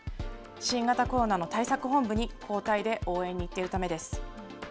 新型コロナの対策本部に交代で応援に行っているためです。